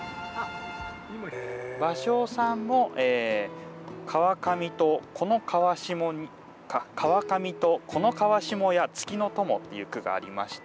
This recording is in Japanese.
芭蕉さんも「川上とこの川しもや月の友」っていう句がありまして。